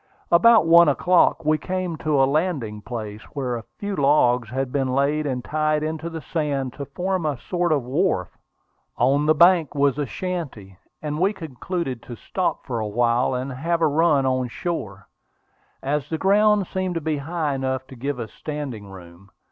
About one o'clock we came to a landing place, where a few logs had been laid and tied into the sand to form a sort of wharf. On the bank was a shanty, and we concluded to stop for a while and have a run on shore, as the ground seemed to be high enough to give us standing room.